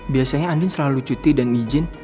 biasanya andien selalu cuti dan izin